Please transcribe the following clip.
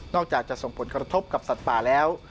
อกจากจะส่งผลกระทบกับสัตว์ป่าแล้ว